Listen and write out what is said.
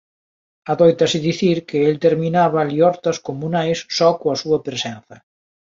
Adóitase dicir que el terminaba liortas comunais só coa súa presenza.